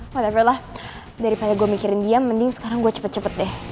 whatsalah daripada gue mikirin dia mending sekarang gue cepet cepet deh